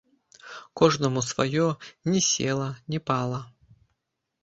Кожнаму сваё, ні села, ні пала.